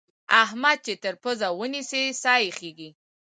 احمد چې تر پزه ونيسې؛ سا يې خېږي.